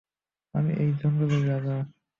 আমি এই জঙ্গলের রাজা!